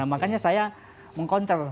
makanya saya meng counter